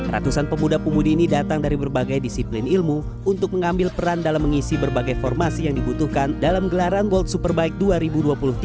ratusan pemuda pemudi ini datang dari berbagai disiplin ilmu untuk mengambil peran dalam mengisi berbagai formasi yang dibutuhkan dalam gelaran world superbike dua ribu dua puluh tiga